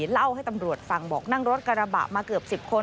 เล่าให้ตำรวจฟังบอกนั่งรถกระบะมาเกือบ๑๐คน